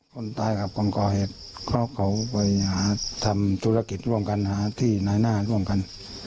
คนตายกับคนก่อเหตุเขาไปหาทำธุรกิจร่วมกันหาที่นายหน้าร่วมกัน